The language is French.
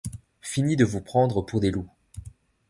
fini de vous prendre pour des loups.